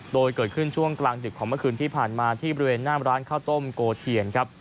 โดยเกิดขึ้นช่วงกลางดึกของเมื่อคืนที่ผ่านมาที่บริเวณหน้ามร้านข้าวต้มโกเทียนครับ